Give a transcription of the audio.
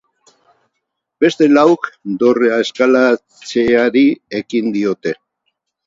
Beste lauk dorrea eskalatzeari ekin diote.